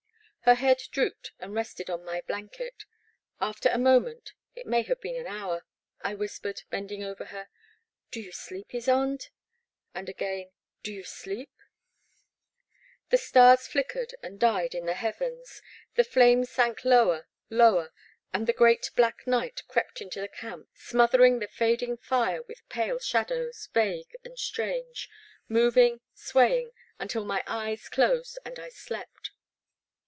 Her head drooped and rested on my blanket. After a moment — it may have been an hour — I whispered, bending above her :Do you sleep, Ysonde ?" and again, do you sleep ?" The stars flickered and died in the heavens, the flames sank lower, lower, and the great black night crept into the camp, smothering the fading fire with pale shadows, vag^e and strange, moving, swaying, until my eyes closed and I slept.